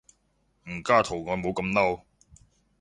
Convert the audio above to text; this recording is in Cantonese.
唔加圖案冇咁嬲